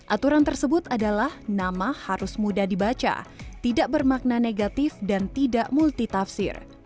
aturan tersebut adalah nama harus mudah dibaca tidak bermakna negatif dan tidak multitafsir